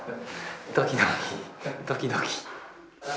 ドキドキドキドキ。